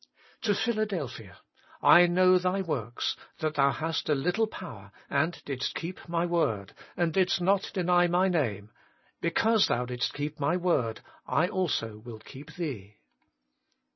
To Philadelphia :'/ Jx^nozu thy zvorks, that thou hast a little power, and didst keep My zvord and didst not deny My name. Because thou didst keep My zvord, I also will keep thee.'